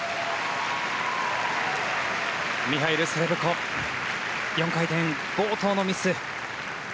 ミハイル・セレブコ４回転、冒頭のミス。